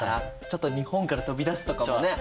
ちょっと日本から飛び出すとかもね。